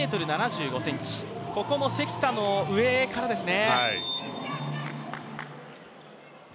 ここも関田の上からですね。